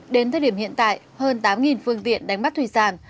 đến thời điểm hiện tại hơn tám phương tiện đánh bắt thủy sản